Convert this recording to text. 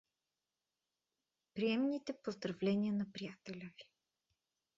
Приемните поздравления на приятеля ви.